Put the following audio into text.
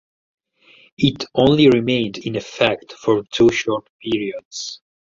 It only remained in effect for two short periods.